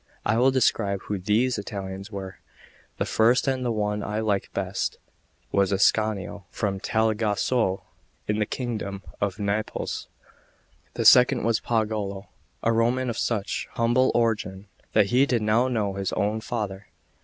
I will describe who these Italians were; the first, and the one I liked best, was Ascanio, from Tagliacozzo in the kingdom of Naples; the second was Pagolo, a Roman of such humble origin that he did now know his own father.